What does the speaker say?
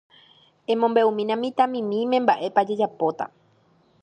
Emombe'umína mitãmimíme mba'épa jajapóta.